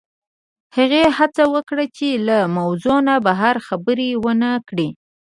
هغې هڅه وکړه چې له موضوع نه بهر خبرې ونه کړي